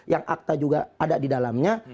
yang akta juga ada di dalamnya